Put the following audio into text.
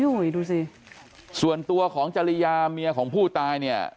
จริงดูซิส่วนตัวของจริยาเมียของผู้ตาย